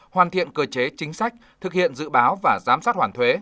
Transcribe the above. hoàn thiện cơ chế chính sách thực hiện dự báo và giám sát hoàn thuế